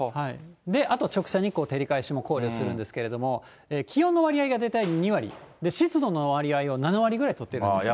あと直射日光、照り返しも考慮するんですけれども、気温の割合が大体２割、湿度の割合を７割ぐらい取ってるんです。